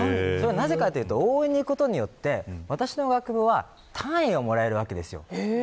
なぜかというと応援に行くことで私の学部は単位がもらえるわけです。